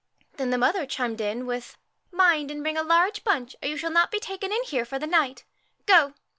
Then the mother chimed in with, ' Mind and bring a large bunch, or you shall not be taken in here for the night. Go!'